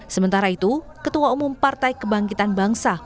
sementara itu ketua umum partai kebangkitan bangsa